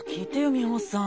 美穂さん。